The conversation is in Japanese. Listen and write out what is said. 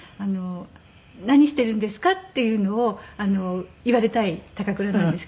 「何しているんですか？」っていうのを言われたい高倉なんですけど。